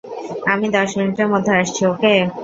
আমি দশ মিনিটের মধ্যে আসছি, ওকে?